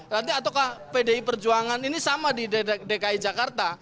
nanti atau pdi perjuangan ini sama di dki jakarta